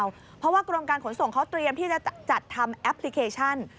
เพราะว่ากรมการขนส่งเขาเตรียมที่จะจัดทำแอปพลิเคชัน